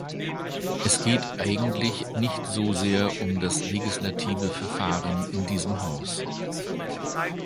Es geht eigentlich nicht so sehr um das legislative Verfahren in diesem Haus.